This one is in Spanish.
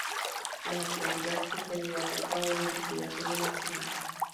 En la actualidad se está llevando a cabo la investigación del accidente.